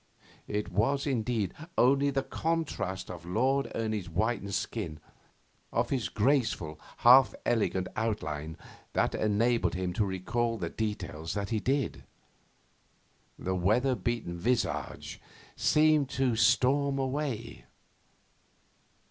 It was, indeed, only the contrast of Lord Ernie's whitened skin, of his graceful, half elegant outline, that enabled him to recall the details that he did. The weather beaten visage seemed to storm away.